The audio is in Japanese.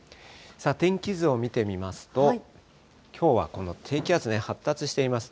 天気図を見てみますと、きょうはこの低気圧ね、発達しています。